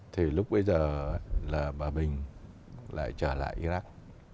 thì lúc bây giờ là hòa bình lại trở lại iraq